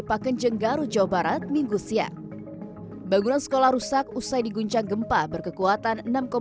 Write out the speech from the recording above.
pakenjenggaru jawa barat minggu siang bangunan sekolah rusak usai diguncang gempa berkekuatan